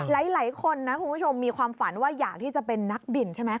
หลายคนนะคุณผู้ชมมีความฝันว่าอยากที่จะเป็นนักบินใช่ไหม